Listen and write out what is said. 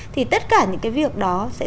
thì tất cả những cái việc đó sẽ